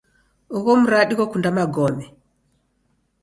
Ugho mradi ghokunda magome.